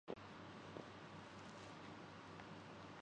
عمران خان نے ایک طویل عرصہ انگلستان میں گزارا ہے۔